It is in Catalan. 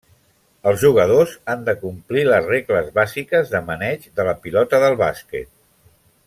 Els jugadors han de complir les regles bàsiques de maneig de la pilota del bàsquet.